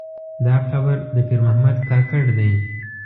دا قبر د پیر محمد کاکړ دی.